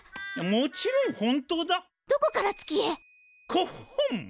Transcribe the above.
こっほん。